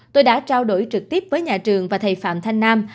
tôi đã trao đổi trực tiếp với nhà trường và thầy phạm thanh nam